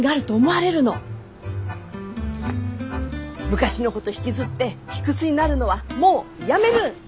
昔のこと引きずって卑屈になるのはもうやめる！